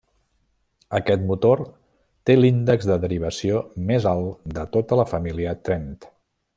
Aquest motor té l'índex de derivació més alt de tota la família Trent.